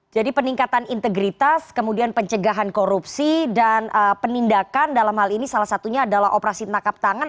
jadi peningkatan integritas kemudian pencegahan korupsi dan penindakan dalam hal ini salah satunya adalah operasi tangkap tangan